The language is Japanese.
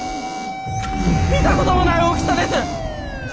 見たことのない大きさです！